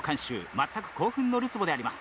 全く興奮のるつぼであります。